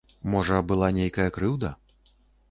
Можа, была нейкая крыўда?